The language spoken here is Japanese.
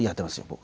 僕。